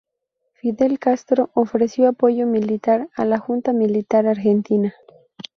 Fidel Castro ofreció apoyo militar a la junta militar argentina.